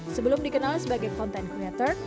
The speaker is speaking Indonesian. sebelum dikenal sebagai content creator